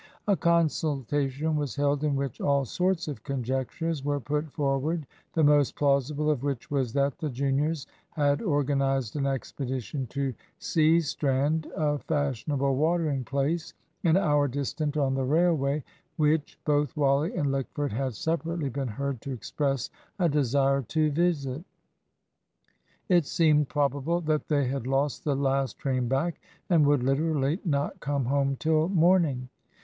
A consultation was held, in which all sorts of conjectures were put forward, the most plausible of which was that the juniors had organised an expedition to Seastrand, a fashionable watering place an hour distant on the railway, which both Wally and Lickford had separately been heard to express a desire to visit. It seemed probable that they had lost the last train back, and would literally "not come home till morning."